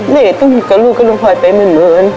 แม่ก็ต้องหยิบกับลูกก็ต้องพอไปเหมือน